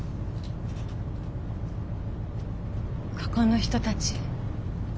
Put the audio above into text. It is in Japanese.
ここの人たち。